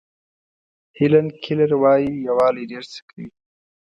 هیلن کیلر وایي یووالی ډېر څه کوي.